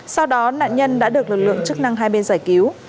sau đó nạn nhân đã được lực lượng chức năng hai bên giải cứu